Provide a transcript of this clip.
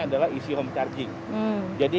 adalah isi home charging jadi